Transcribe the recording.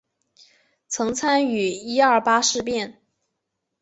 曾参与一二八事变。